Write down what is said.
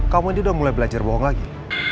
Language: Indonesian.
kamu ini udah mulai belajar bohong lagi